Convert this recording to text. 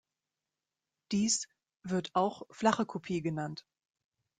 Dies wird auch "flache Kopie" genannt.